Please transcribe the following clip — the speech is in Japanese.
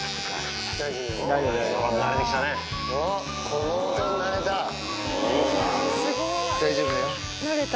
この音に慣れた。